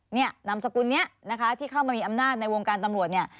นามสกุลนี้นะคะที่เข้ามามีอำนาจในวงการตำรวจเนี่ย